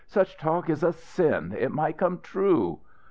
"Such talk is a sin! It might come true."